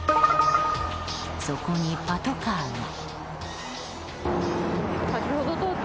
そこにパトカーが。